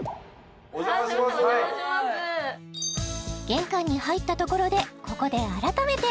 玄関に入ったところでここで改めて